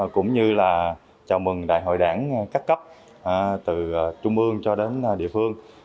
cũng như là chào mừng đại hội đảng các cấp từ trung ương cho đến địa phương